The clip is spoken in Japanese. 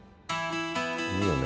いいよね。